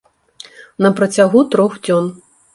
На працягу трох дзён.